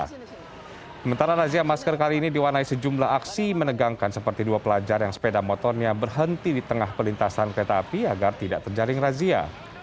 sementara razia masker kali ini diwarnai sejumlah aksi menegangkan seperti dua pelajar yang sepeda motornya berhenti di tengah pelintasan kereta api agar tidak terjaring razia